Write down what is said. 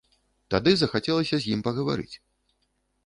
Тады захацелася з ім пагаварыць.